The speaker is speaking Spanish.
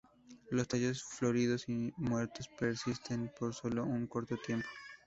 Los tallos floridos y muertos persisten, pero solo por un corto tiempo.